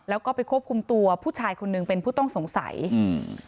แล้วก็ไปควบคุมตัวผู้ชายคนหนึ่งเป็นผู้ต้องสงสัยอืม